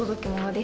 で